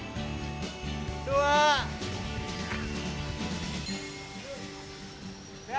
kepala kapal berukuran sembilan puluh enam gt menjalankan proses docking